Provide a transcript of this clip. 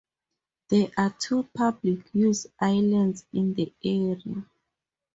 There are two public use islands in the area.